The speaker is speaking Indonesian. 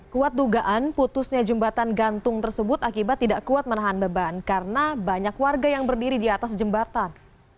kuat dugaan putusnya jembatan gantung tersebut akibat tidak kuat menahan beban karena banyak warga yang berdiri di atas jembatan